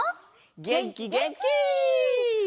げんきげんき！